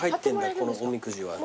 このおみくじが。